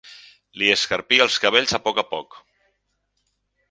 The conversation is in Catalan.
Li escarpia els cabells a poc a poc.